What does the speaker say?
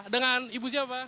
dengan ibu siapa